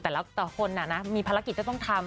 แต่ว่าต่อคนมีภารกิจที่ต้องทำ